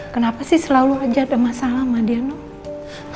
kenapa sih selalu aja ada masalah sama dia nuh